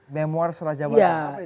memoir serah jabatan apa itu